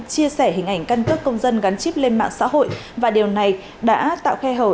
chia sẻ hình ảnh căn cước công dân gắn chip lên mạng xã hội và điều này đã tạo khe hở